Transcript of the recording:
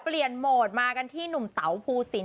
เปลี่ยนโหมดมากันที่หนุ่มเต๋าภูสิน